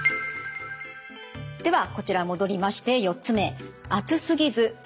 ではこちら戻りまして４つ目。